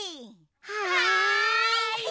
はい！